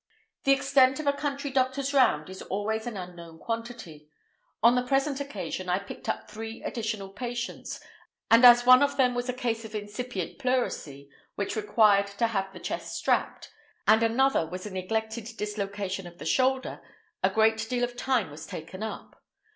The extent of a country doctor's round is always an unknown quantity. On the present occasion I picked up three additional patients, and as one of them was a case of incipient pleurisy, which required to have the chest strapped, and another was a neglected dislocation of the shoulder, a great deal of time was taken up.